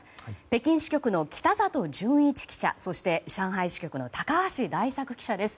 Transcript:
北京支局の北里純一記者そして上海支局の高橋大作記者です。